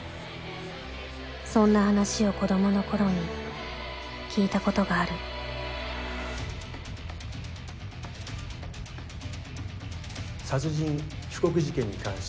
そんな話を子供の頃に聞いたことがある殺人被告事件に関して。